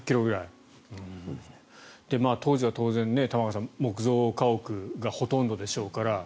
当時は当然、玉川さん木造家屋がほとんどでしょうから。